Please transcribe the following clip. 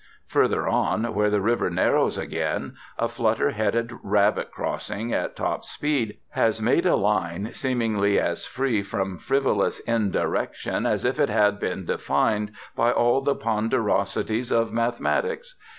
Farther on, where the river narrows again, a flutter headed rabbit crossing at top speed has made a line seemingly as free from frivolous indirection as if it had been defined by all the ponderosities of mathematics.